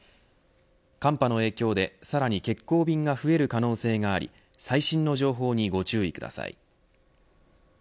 寒波の影響でさらに欠航便が増える可能性があり最新の情報にご注意ください。